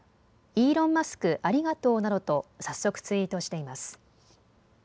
イーロン・マスクありがとうなどと早速、ツイートしています。